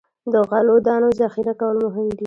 د غلو دانو ذخیره کول مهم دي.